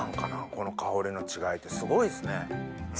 この香りの違いってすごいですね。